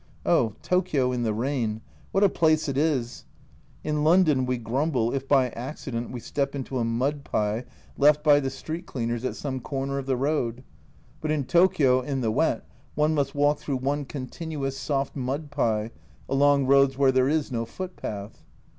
Oh, Tokio in the rain, what a place it is ! In London we grumble if by accident we step into a " mud pie " left by the street 76 A Journal from Japan cleaners at some corner of the road, but in Tokio in the wet one must walk through one continuous soft mud pie, along roads where there is no footpath.